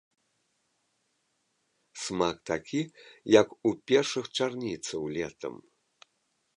Смак такі, як у першых чарніцаў летам.